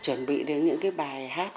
mà chuẩn bị đến những cái bài hát